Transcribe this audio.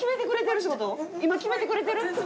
今決めてくれてるって事？